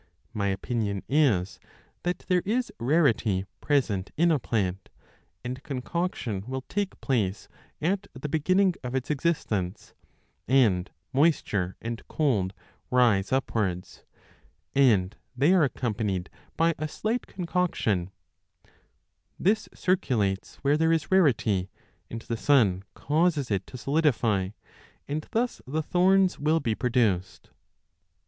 My opinion is that there is rarity present in a plant, and concoction will take place at the beginning of its exis tence, and moisture and cold rise upwards, and they are 10 accompanied by a slight concoction ; this circulates where there is rarity, and the sun causes it to solidify, and thus the thorns will be produced.